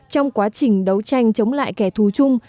trong quá trình đấu tranh chống lại kẻ thù chung